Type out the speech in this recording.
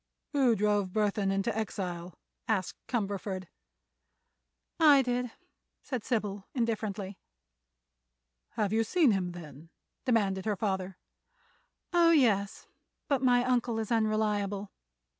"Who drove Burthon into exile?" asked Cumberford. "I did," said Sybil, indifferently. "Have you seen him, then?" demanded her father. "Oh, yes; but my uncle is unreliable.